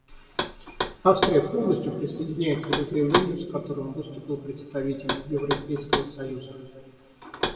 Австрия полностью присоединяется к заявлению, с которым выступил представитель Европейского союза.